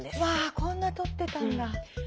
わっこんな取ってたんだ。